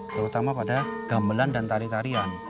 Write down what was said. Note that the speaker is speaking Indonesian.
terutama pada gambelan dan tarian